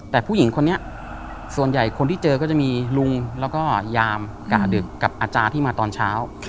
แต่ผู้หญิงคนนี้ส่วนใหญ่คนที่เจอก็จะมีลุงแล้วก็ยามกะดึกกับอาจารย์ที่มาตอนเช้า